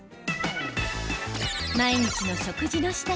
毎日の食事の支度。